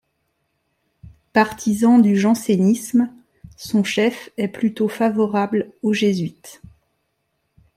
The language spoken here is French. Partisan du jansénisme, son chef est plutôt favorable aux Jésuites.